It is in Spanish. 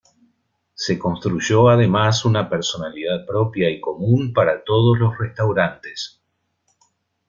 Se construyó además una personalidad propia y común para todos los restaurantes.